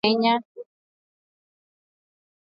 Maafisa walisema ni shilingi bilioni kumi na tatu za Kenya